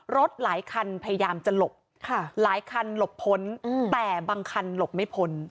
หลายคันพยายามจะหลบหลายคันหลบพ้นแต่บางคันหลบไม่พ้น